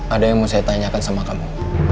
ada yang mau saya tanyakan sama kamu